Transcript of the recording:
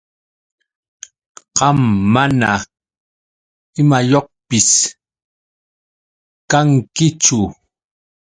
Qam mana imayuqpis kankichu.